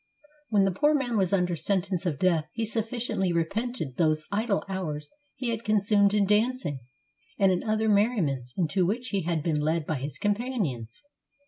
When the poor man was under sentence of death, he sufficiently repented those idle hours he had consumed in dancing, and in the other merriments into which he had been led by his companions.